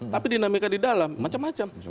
tapi dinamika di dalam macam macam